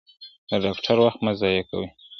د ډاکټر وخت مه ضایع کوئ.